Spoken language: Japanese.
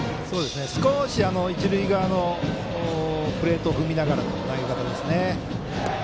少し一塁側のプレートを踏みながらの投げ方ですね。